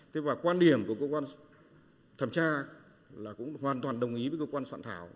thế và quan điểm của cơ quan thẩm tra là cũng hoàn toàn đồng ý với cơ quan soạn thảo